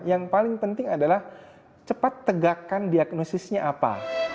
yang paling penting adalah cepat tegakkan diagnosisnya apa